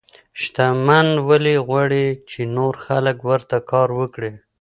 شتمن ولي غواړي چي نور خلګ ورته کار وکړي؟